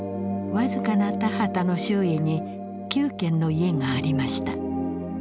僅かな田畑の周囲に９軒の家がありました。